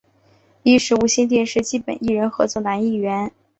亦是无线电视基本艺人合约男艺员。